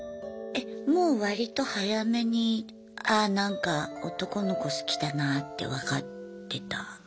もう割と早めにああなんか男の子好きだなって分かってた？